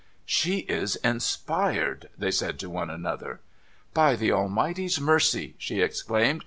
' She is inspired,' they said to one another. * By the Almighty's mercy !' she exclaimed.